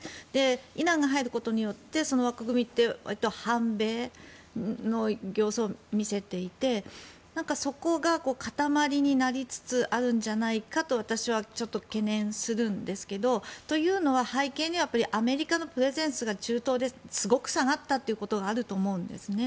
イランが入ることによってその枠組みって反米の形相を見せていてそこが固まりになりつつあるんじゃないかと私は懸念するんですけどというのは背景にはアメリカのプレゼンスが中東ですごく下がったということがあると思うんです。